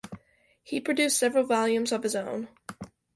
He produced several volumes of his own.